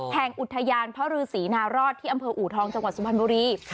แห่งอุทยานพระฤษีนารอดที่อำเภออูทองจังหวัดสุพรรณบุรี